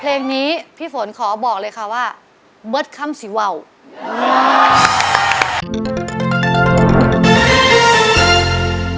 เพลงนี้พี่ฝนขอบอกเลยค่ะว่าเบิร์ดค่ำสีวาว